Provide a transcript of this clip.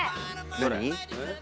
何？